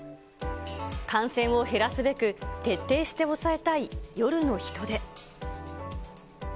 感染を減らすべく、徹底して抑えたい夜の人出。